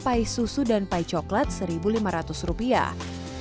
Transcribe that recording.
pai susu dan pai coklat seribu lima ratus rupiah